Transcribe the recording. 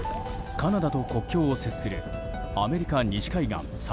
カナダと国境を接するアメリカ西海岸最